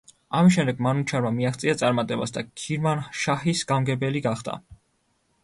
ამის შემდეგ მანუჩარმა მიაღწია წარმატებას და ქირმანშაჰის გამგებელი გახდა.